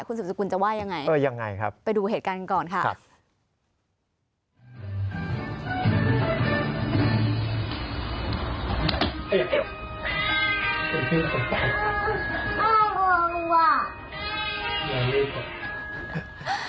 คุณศึกษกุลจะว่ายังไงไปดูเหตุการณ์ก่อนค่ะเออยังไงครับ